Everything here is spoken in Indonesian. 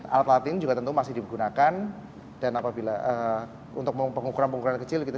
alat alat ini juga tentu masih digunakan dan apabila untuk mengukur pengukuran kecil kita